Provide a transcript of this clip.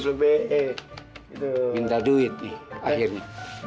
gintal duit nih akhirnya